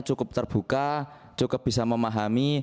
cukup terbuka cukup bisa memahami